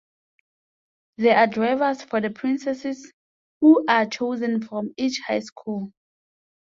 There are drivers for the Princesses, who are chosen from each high school.